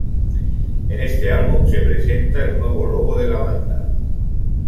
En este álbum se presenta el nuevo logo de la banda